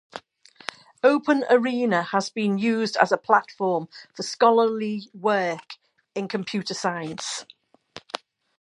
OpenArena has been used as a platform for scholarly work in computer science.